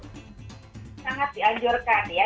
sangat dianjurkan ya